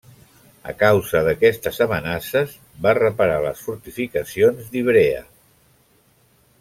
A causa d'aquestes amenaces va reparar les fortificacions d'Ivrea.